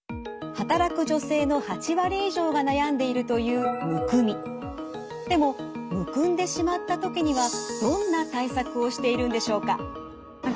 働く女性の８割以上が悩んでいるというでもむくんでしまった時にはどんな対策をしているんでしょうか？